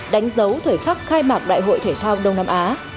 đánh dấu thời khắc khai mạc đại hội thể thao đông nam á